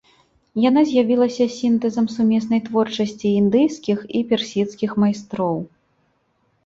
Яна з'явілася сінтэзам сумеснай творчасці індыйскіх і персідскіх майстроў.